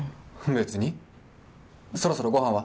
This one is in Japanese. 別にそろそろごはんは？